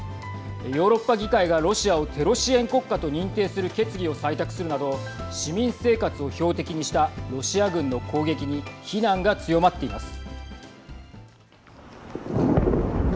ヨーロッパ議会がロシアをテロ支援国家と認定する決議を採択するなど市民生活を標的にしたロシア軍の攻撃に非難が強まっています。